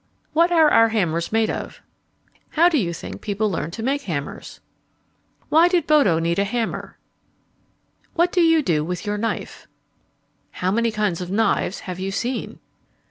What are our hammers made of? How do you think people learned to make hammers? Why did Bodo need a hammer? What do you do with your knife? How many kinds of knives have you seen?